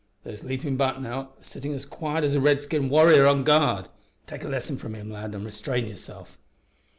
There's Leapin' Buck, now, a sittin' as quiet as a Redskin warrior on guard! Take a lesson from him, lad, an' restrain yourself.